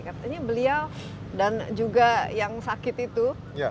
katanya beliau dan juga yang sakit itu